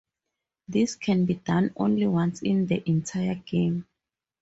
This can be done only once in the entire game.